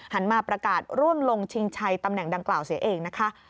มาประกาศร่วมลงชิงชัยตำแหน่งดังกล่าวเสียเองนะคะ